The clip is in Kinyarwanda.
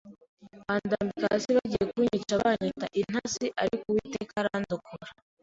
bandambika hasi bagiye kunyica banyita intasi ariko Uwiteka arandokora.